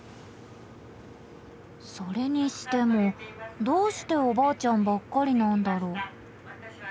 それにしてもどうしておばあちゃんばっかりなんだろう？